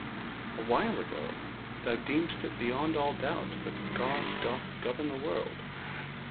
'Awhile ago thou deemedst it beyond all doubt that God doth govern the world.'